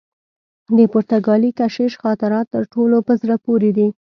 د پرتګالي کشیش خاطرات تر ټولو په زړه پوري دي.